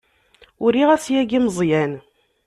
Uriɣ-as yagi i Meẓyan.